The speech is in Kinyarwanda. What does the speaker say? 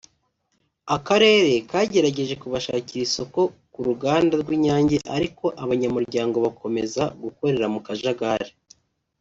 akarere kagerageje kubashakira isoko ku ruganda rw’Inyange ariko abanyamuryango bakomeza gukorera mu kajagari